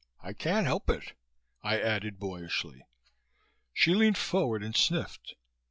I can't help it," I added boyishly. She leaned forward and sniffed.